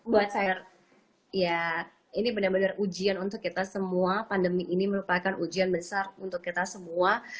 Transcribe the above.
buat saya ya ini benar benar ujian untuk kita semua pandemi ini merupakan ujian besar untuk kita semua